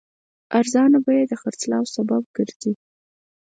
ارزانه بیه د خرڅلاو سبب ګرځي.